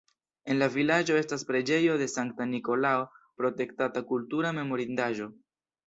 En la vilaĝo estas preĝejo de Sankta Nikolao, protektata kultura memorindaĵo.